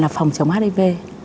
là phòng chống hiv